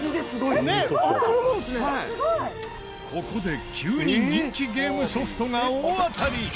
ここで急に人気ゲームソフトが大当たり！